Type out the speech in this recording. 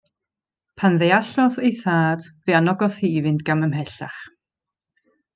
Pan ddeallodd ei thad, fe anogodd hi i fynd gam ymhellach.